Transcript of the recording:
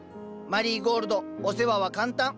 マリーゴールドお世話は簡単。